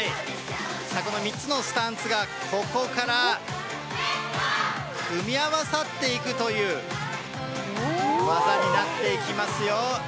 この３つのスタンツがここから組み合わさっていくという技になっていきますよ。